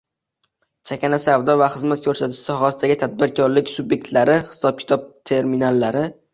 Chakana savdo va xizmat ko‘rsatish sohasidagi tadbirkorlik subyektlari hisob-kitob terminallari